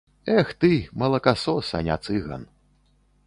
Эх ты, малакасос, а не цыган.